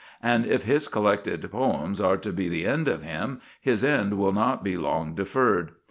And if his Collected Poems are to be the end of him, his end will not be long deferred.